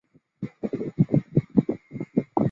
卢鲁德布布勒人口变化图示